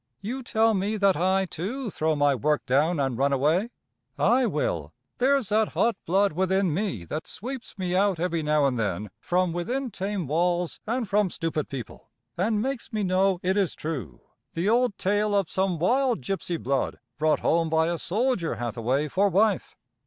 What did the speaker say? "You tell me that I, too, throw my work down and run away? Ay, Will, there's that hot blood within me that sweeps me out every now and then from within tame walls and from stupid people, and makes me know it is true, the old tale of some wild, gypsy blood brought home by a soldier Hathaway for wife.